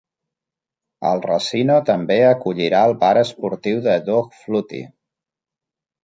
El "racino" també acollirà el bar esportiu de Doug Flutie.